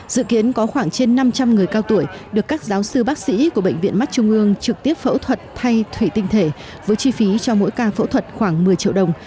dự kiến có khoảng trên năm trăm linh người cao tuổi được các giáo sư bác sĩ của bệnh viện mắt trung ương trực tiếp phẫu thuật thay thủy tinh thể với chi phí cho mỗi ca phẫu thuật khoảng một mươi triệu đồng